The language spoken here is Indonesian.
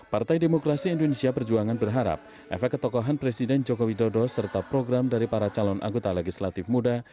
partai demokrasi indonesia perjuangan berharap efek ketokohan presiden joko widodo serta program dari para calon anggota legislatif muda